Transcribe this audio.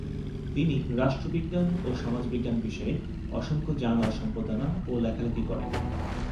তিনি রাষ্ট্রবিজ্ঞান ও সমাজবিজ্ঞান বিষয়ে অসংখ্য জার্নাল সম্পাদনা ও লেখালেখি করেন।